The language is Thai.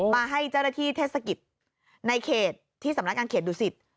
มาให้เจ้าหน้าที่เทศกิจในเขตที่สำนักงานเขตดุสิต